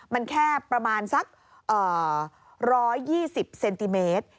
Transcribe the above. มันแค่ประมาณสัก๑๒๐เซนติเมตร